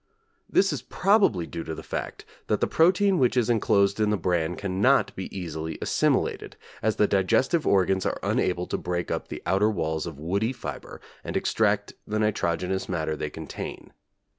This is probably due to the fact that the protein which is enclosed in the bran cannot be easily assimilated, as the digestive organs are unable to break up the outer walls of woody fibre and extract the nitrogenous matter they contain.